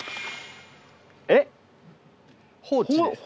えっ！